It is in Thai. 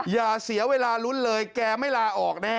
อย่าเสียเวลาลุ้นเลยแกไม่ลาออกแน่